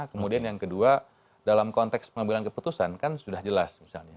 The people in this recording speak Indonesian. kemudian yang kedua dalam konteks pengambilan keputusan kan sudah jelas misalnya